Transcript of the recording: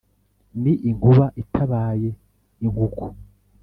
ni inkuba itabaye inkuku